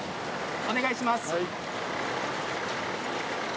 お願いします。